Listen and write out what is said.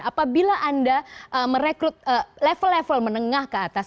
apabila anda merekrut level level menengah ke atas